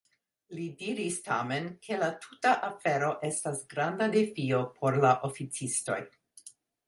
Li diris tamen, ke la tuta afero estas granda defio por la oficistoj.